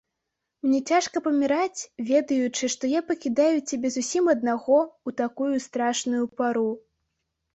Мне цяжка паміраць, ведаючы, што я пакідаю цябе зусім аднаго ў такую страшную пару.